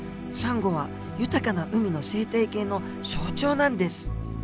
サンゴは豊かな海の生態系の象徴なんです！